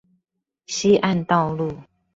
西岸道路